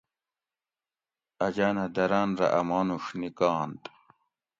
اجانہ دران رہ ا مانوڛ نِکانت